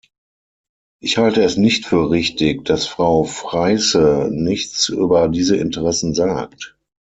Ich halte es nicht für richtig, dass Frau Fraisse nichts über diese Interessen sagt.